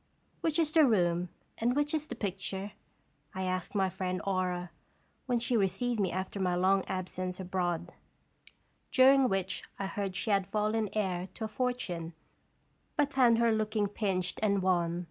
" Which is the room, and which is the pic ture?" 1 asked my friend Aura, when she received me after my long absence abroad, during which I heard she had fallen heir to a fortune, but found her looking pinched and wan.